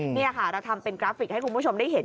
นี่ค่ะเราทำเป็นกราฟิกให้คุณผู้ชมได้เห็น